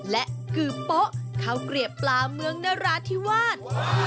และคือโป๊ะข้าวเกลียบปลาเมืองนราธิวาส